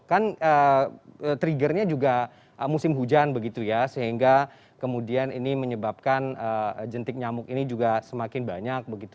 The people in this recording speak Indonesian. kan triggernya juga musim hujan begitu ya sehingga kemudian ini menyebabkan jentik nyamuk ini juga semakin banyak begitu